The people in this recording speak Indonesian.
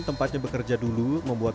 tempatnya bekerja dulu membuat